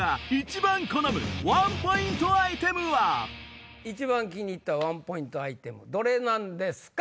果たして一番気に入ったワンポイントアイテムどれなんですか？